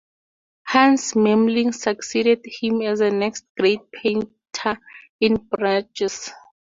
Hans Memling succeeded him as the next great painter in Bruges.